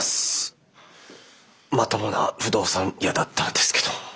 まともな不動産屋だったらですけど。